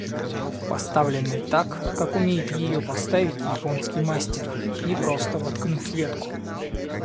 поставленной так, как умеет ее поставить японский мастер, – не просто воткнув ветку